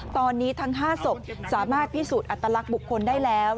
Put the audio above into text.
ตอนนี้ทั้ง๕ศพสามารถพิสูจน์อัตลักษณ์บุคคลได้แล้ว